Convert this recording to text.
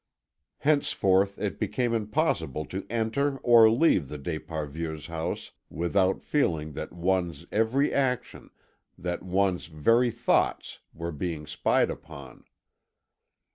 Henceforth it became impossible to enter or leave the d'Esparvieus' house without feeling that one's every action, that one's very thoughts, were being spied upon.